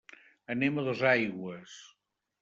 Anem a Dosaigües.